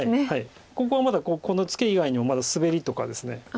ここはまだこのツケ以外にもまだスベリとかですね。